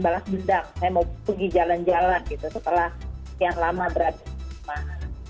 balas dendam saya mau pergi jalan jalan gitu setelah sekian lama berada di rumah